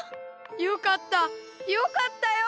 よかったよかったよ。